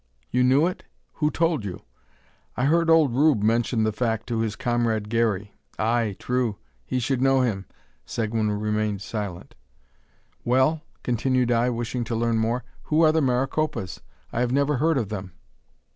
"You knew it? Who told you?" "I heard old Rube mention the fact to his comrade Garey." "Ay, true; he should know him." Seguin remained silent. "Well?" continued I, wishing to learn more. "Who are the Maricopas? I have never heard of them."